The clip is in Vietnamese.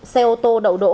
xe ô tô đậu đỗ